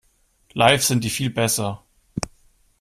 Live sind die viel besser.